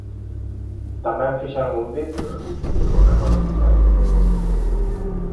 Tamén fixeron un vídeo resumindo o que aconteceu.